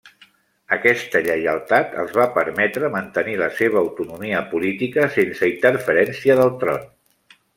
Aquesta lleialtat els va permetre mantenir la seva autonomia política sense interferència del tron.